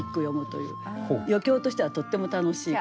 余興としてはとっても楽しい。